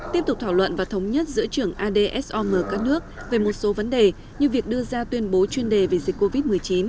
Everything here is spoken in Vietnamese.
tiếp tục thảo luận và thống nhất giữa trưởng adsom các nước về một số vấn đề như việc đưa ra tuyên bố chuyên đề về dịch covid một mươi chín